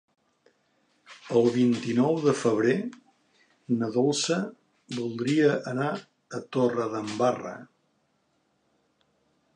El vint-i-nou de febrer na Dolça voldria anar a Torredembarra.